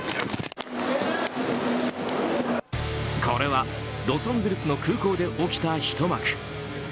これはロサンゼルスの空港で起きたひと幕。